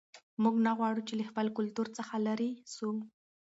موږ نه غواړو چې له خپل کلتور څخه لیرې سو.